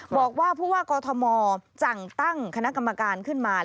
บอกว่าผู้ว่ากอทมสั่งตั้งคณะกรรมการขึ้นมา